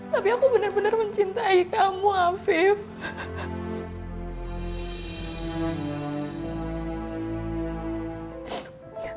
tapi aku benar benar mencintai kamu five